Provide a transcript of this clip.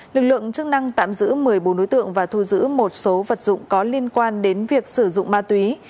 lực lượng chức năng tạm giữ một mươi bốn đối tượng và thu giữ một số vật dụng có liên quan đến việc sử dụng ma túy